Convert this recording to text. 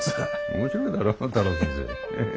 面白いだろ太郎先生。